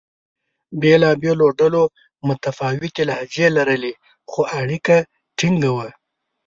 بېلابېلو ډلو متفاوتې لهجې لرلې؛ خو اړیکه ټینګه وه.